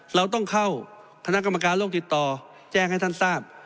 เราต้องเข้าคณะกรรมการโลกติดต่อแจ้งให้ท่านทราบ